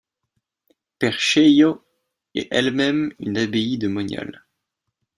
Percheio est elle-même une abbaye de moniales.